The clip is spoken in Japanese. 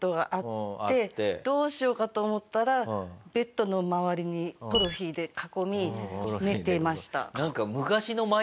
どうしようかと思ったらベッドの周りにトロフィーで囲み寝てました。